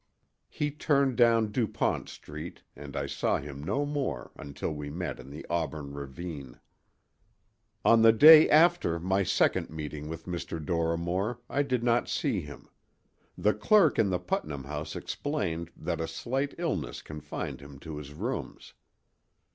He turned down Dupont street and I saw him no more until we met in the Auburn ravine. III On the day after my second meeting with Dr. Dorrimore I did not see him: the clerk in the Putnam House explained that a slight illness confined him to his rooms.